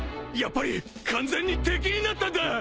やっぱり完全に敵になったんだ。